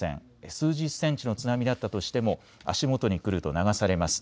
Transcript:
数十センチの津波だったとしても足元に来ると流されます。